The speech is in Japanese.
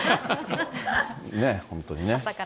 ねえ、本当にね。